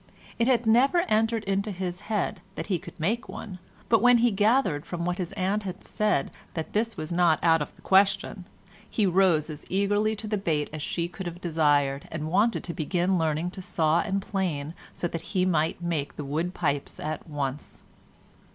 It had never entered into his head that he could make one, but when he gathered from what his aunt had said that this was not out of the question, he rose as eagerly to the bait as she could have desired, and wanted to begin learning to saw and plane so that he might make the wooden pipes at once.